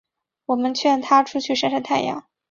我们劝她出去晒晒太阳